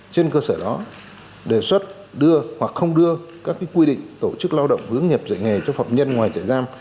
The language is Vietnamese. trên cơ sở đó đề xuất đưa hoặc không đưa các quy định tổ chức lao động hướng nghiệp dạy nghề cho phạm nhân ngoài chạy giam